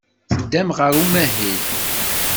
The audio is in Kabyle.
Teddam ɣer umahil.